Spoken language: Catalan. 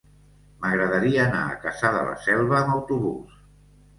M'agradaria anar a Cassà de la Selva amb autobús.